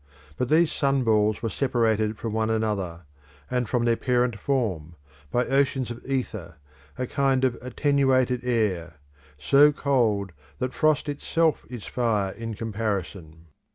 But these sunballs were separated from one another, and from their parent form, by oceans of ether, a kind of attenuated air, so cold that frost itself is fire in comparison.